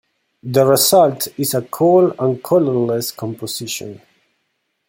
The result is a cold and colorless composition.